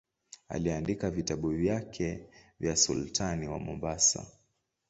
Aliandika vitabu vyake kwa sultani wa Mombasa.